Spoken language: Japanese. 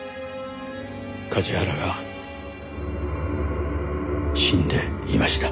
梶原が死んでいました。